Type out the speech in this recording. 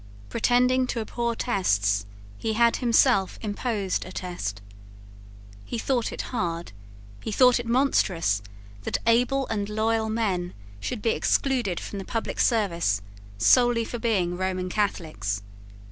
Pretending to abhor tests, he had himself imposed a test. He thought it hard, he thought it monstrous, that able and loyal men should be excluded from the public service solely for being Roman Catholics.